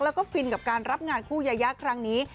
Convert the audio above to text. แล้วก็ฟินกับการรับงานคู่ยายาครั้งนี้